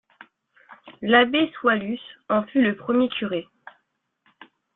L'abbé Swalus en fut le premier curé.